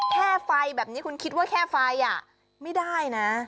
แค่ไฟแบบนี้คุณคิดว่าแค่ไฟไม่ได้นะ